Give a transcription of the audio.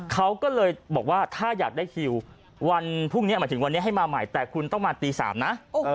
เขาก็เลยบอกว่าถ้าอยากได้คิววันพรุ่งนี้หมายถึงวันนี้ให้มาใหม่แต่คุณต้องมาตี๓นะ